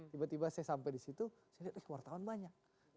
tiba tiba saya sampai di situ saya lihat dari wartawan banyak